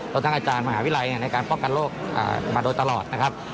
ทั้งอาจารย์มหาวิทยาลัยในการป้องกันโรคมาโดยตลอดนะครับ